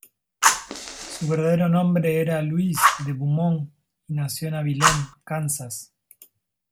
Su verdadero nombre era Louis de Beaumont, y nació en Abilene, Kansas.